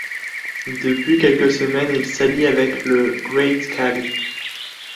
Depuis quelques semaines il s'allie avec le Great Khali.